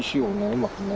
うまくね